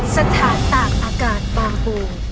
สถานต่างอากาศบรรค์